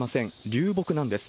流木なんです。